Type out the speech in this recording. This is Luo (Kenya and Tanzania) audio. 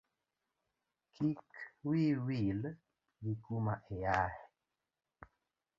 Kik wiyi wil gi kuma iaye.